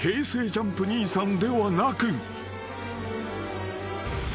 ＪＵＭＰ兄さんではなく］